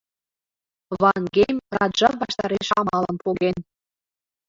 Ван-Гейм раджа ваштареш амалым поген.